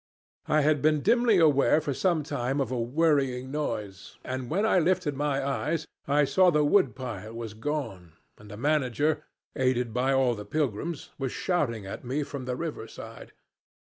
"I had been dimly aware for some time of a worrying noise, and when I lifted my eyes I saw the wood pile was gone, and the manager, aided by all the pilgrims, was shouting at me from the river side.